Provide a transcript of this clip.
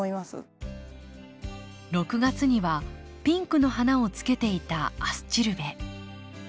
６月にはピンクの花をつけていたアスチルベ。